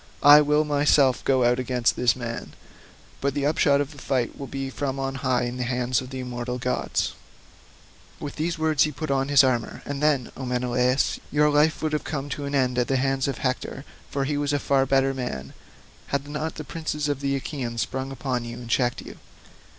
I will myself go out against this man, but the upshot of the fight will be from on high in the hands of the immortal gods." With these words he put on his armour; and then, O Menelaus, your life would have come to an end at the hands of hands of Hector, for he was far better the man, had not the princes of the Achaeans sprung upon you and checked you.